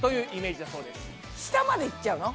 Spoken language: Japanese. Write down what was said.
下まで行っちゃうの？